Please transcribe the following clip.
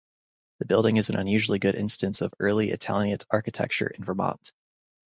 The building is an unusually good instance of early Italianate architecture in Vermont.